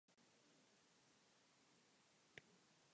Irabazleak aurrera pausoa emango du finalerdietan egoteko.